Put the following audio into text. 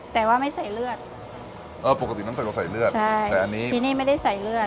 แต่ว่าไม่ใส่เลือดเออปกติต้องใส่ตัวใส่เลือดใช่แต่อันนี้ที่นี่ไม่ได้ใส่เลือด